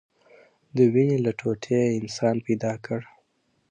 د وينې له ټوټې يې انسان پيدا كړ.